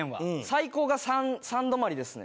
最高が３止まりですね。